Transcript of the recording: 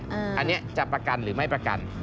อันนี้จะประกันหรือไม่ประกัน